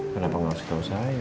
kenapa gak usah tau saya